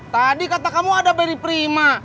tadi kata kamu ada beri prima